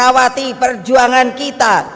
cakrawati perjuangan kita